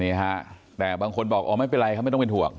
นี่ฮะแต่บางคนบอกอ๋อไม่เป็นไรครับไม่ต้องเป็นห่วง